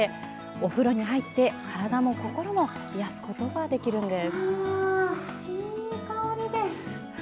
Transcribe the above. お風呂に入って体も心も癒やすことができるんです。